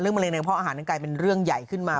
เรื่องมะเร็งในกระเพาะอาหารเป็นเรื่องใหญ่ขึ้นมา